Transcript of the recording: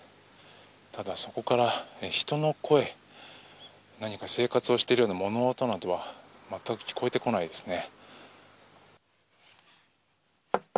ただ、そこから人の声何か生活をしているような物音などはまったく聞こえてこないですね。